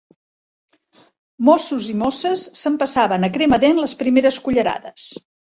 Mossos i mosses, s'empassaven a crema-dent les primeres cullerades